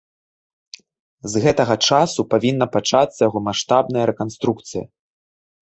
З гэтага часу павінна пачацца яго маштабная рэканструкцыя.